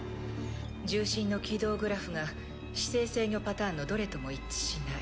重心の軌道グラフが姿勢制御パターンのどれとも一致しない。